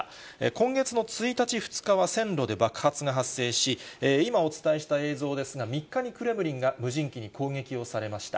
今月の１日、２日は線路で爆発が発生し、今お伝えした映像ですが、３日にクレムリンが無人機に攻撃をされました。